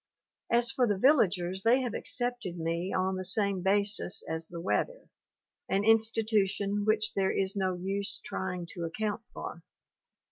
As for the villagers they have accepted me on the same basis as the weather, an institution which there is no use trying to account for.